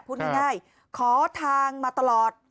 พูดง่ายขอทางมาตลอด